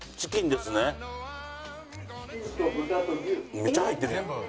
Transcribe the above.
めっちゃ入ってるやん。